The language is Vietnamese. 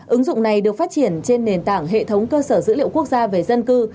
ứng dụng này được phát triển trên nền tảng hệ thống cơ sở dữ liệu quốc gia về dân cư